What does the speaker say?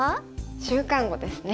「週刊碁」ですね。